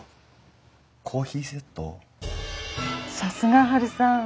さすがハルさん。